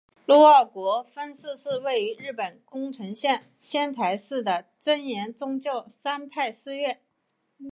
陆奥国分寺是位在日本宫城县仙台市的真言宗智山派寺院。